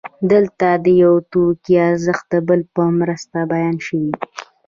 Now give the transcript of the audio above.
دلته د یو توکي ارزښت د بل په مرسته بیان شوی